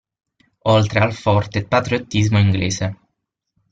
Oltre al forte patriottismo inglese.